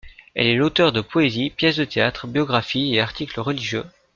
Elle est l'auteure de poésies, pièces de théâtre, biographies et articles religieux.